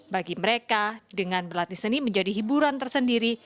bagi mereka dengan berlatih seni menjadi hiburan tersendiri